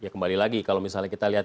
kembali lagi kalau misalnya kita lihat